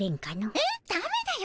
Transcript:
えっダメだよ